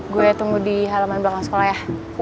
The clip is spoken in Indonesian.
gue tunggu di halaman belakang sekolah ya